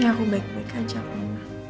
ya aku baik baik aja memang